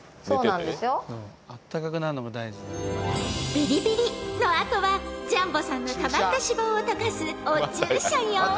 ［びりびりの後はジャンボさんのたまった脂肪を溶かすお注射よ］